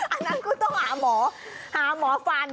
อันนั้นกูต้องหาหมอฟัน